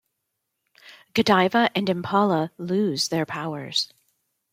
Godiva and Impala lose their powers.